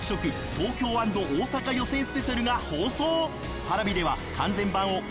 東京＆大阪予選スペシャル』が放送。